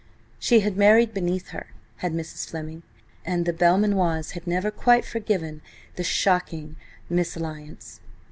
She had married beneath her, had Mrs. Fleming, and the Belmanoirs had never quite forgiven the shocking mésalliance.